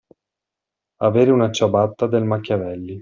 Avere una ciabatta del Machiavelli.